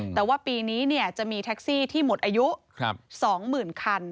แต่ว่าปีนี้จะมีแท็กซี่ที่หมดอายุ๒๐๐๐คัน